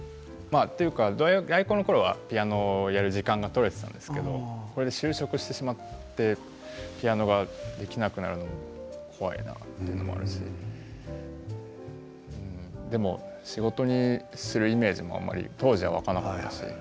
というか大学の時はピアノをやる時間がとれていたんですけれども就職してしまってピアノができなくなるのが怖いなというのもあるしでも仕事にするイメージも当時は湧かなかったし。